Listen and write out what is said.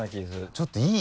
ちょっといい？